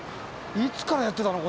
いつからやってたの？